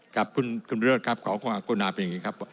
ครับคุณคุณเรือดครับขอขออนุญาตคุณนามเป็นอย่างนี้ครับ